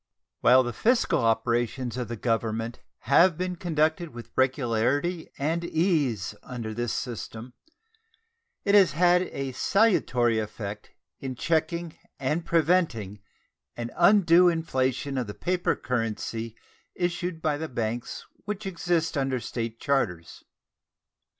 While the fiscal operations of the Government have been conducted with regularity and ease under this system, it has had a salutary effect in checking and preventing an undue inflation of the paper currency issued by the banks which exist under State charters.